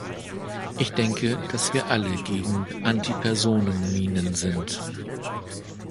Ich denke, dass wir alle gegen Antipersonenminen sind.